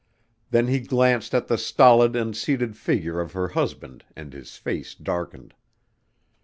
Then he glanced at the stolid and seated figure of her husband and his face darkened.